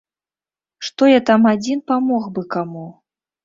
Што я там адзін памог бы каму?